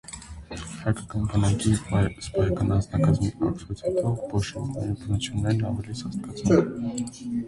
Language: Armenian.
Հայկական բանակի սպայական անձնակազմի աքսորից հետո բոլշևիկների բռնություններն ավելի սաստկացան։